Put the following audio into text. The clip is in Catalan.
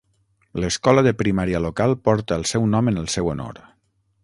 L'escola de primària local porta el seu nom en el seu honor.